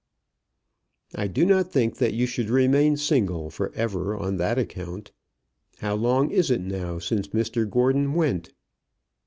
"I do not think that you should remain single for ever on that account. How long is it now since Mr Gordon went?"